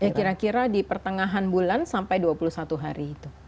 ya kira kira di pertengahan bulan sampai dua puluh satu hari itu